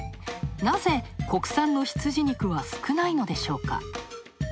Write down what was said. なぜ国産の羊肉は少ないのでしょうか？